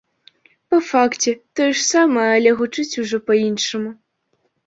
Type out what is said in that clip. Па факце, тое ж самае, але гучыць ужо па-іншаму.